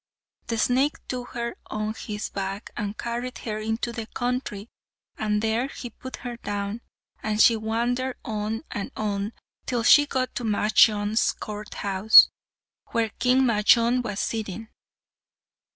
The snake took her on his back and carried her into the country, and there he put her down, and she wandered on and on till she got to Majnun's court house, where King Majnun was sitting.